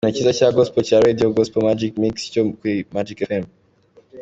Ikiganiro cyiza cya Gospel cya Radio: Gospel Magic Mix cyo kuri Magic Fm.